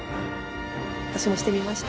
私もしてみました。